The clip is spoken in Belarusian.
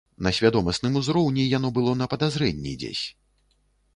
На свядомасным узроўні яно было на падазрэнні дзесь.